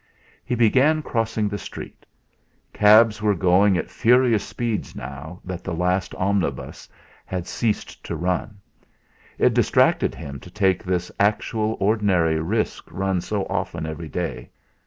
He began to cross the street. Cabs were going at furious speed now that the last omnibus had ceased to run; it distracted him to take this actual, ordinary risk run so often every day.